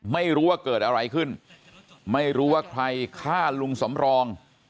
ไม่รู้ว่าเกิดอะไรขึ้นไม่รู้ว่าใครฆ่าลุงสำรอง